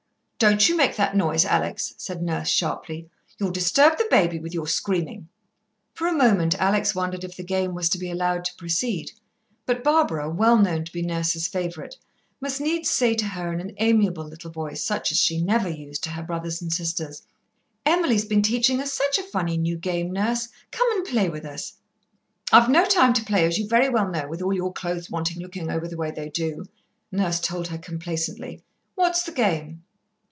"Don't you make that noise, Alex," said Nurse sharply. "You'll disturb the baby with your screaming." For a moment Alex wondered if the game was to be allowed to proceed, but Barbara, well known to be Nurse's favourite, must needs say to her in an amiable little voice, such as she never used to her brothers and sister: "Emily's been teaching us such a funny new game, Nurse. Come and play with us." "I've no time to play, as you very well know, with all your clothes wanting looking over the way they do," Nurse told her complacently. "What's the game?"